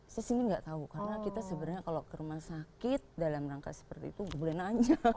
saya sih ini gak tau karena kita sebenarnya kalau ke rumah sakit dalam rangka seperti itu boleh nanya